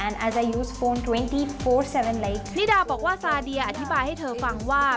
นิดาบอกว่าซาเดียอธิบายให้เธอฟังว่า